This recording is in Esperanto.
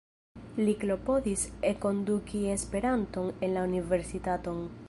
Li klopodis enkonduki Esperanton en la universitaton.